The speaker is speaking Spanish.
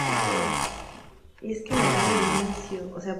Está considerado el precursor del Getafe Club de Fútbol.